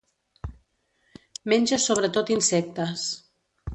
Menja sobretot insectes.